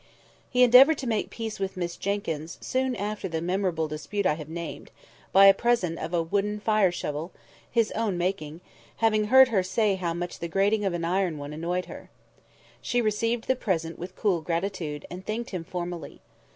He endeavoured to make peace with Miss Jenkyns soon after the memorable dispute I have named, by a present of a wooden fire shovel (his own making), having heard her say how much the grating of an iron one annoyed her. She received the present with cool gratitude, and thanked him formally.